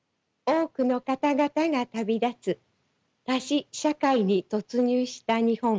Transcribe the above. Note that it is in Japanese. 多くの方々が旅立つ多死社会に突入した日本。